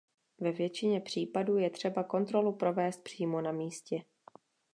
Ve většině případů je třeba kontrolu provést přímo na místě.